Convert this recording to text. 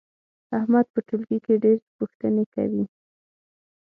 احمد په ټولګي کې ډېر پوښتنې کوي.